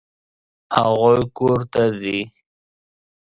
هغوی کور ته ځي.